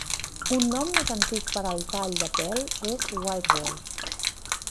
Un nom més antic per al tall de pèl és "Whitewall".